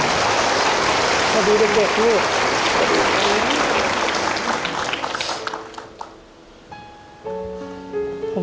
สวัสดีเด็กลูก